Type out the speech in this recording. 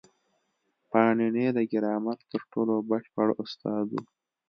پاڼيڼى د ګرامر تر ټولو بشپړ استاد وو.